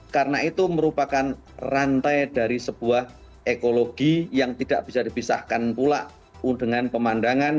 karena itu merupakan rantai dari sebuah ekologi yang tidak bisa dibisahkan pula dengan pemandangan